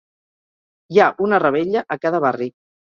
Hi ha una revetlla a cada barri